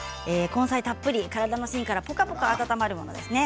根菜たっぷりサラダ芯からポカポカ温まるんですね。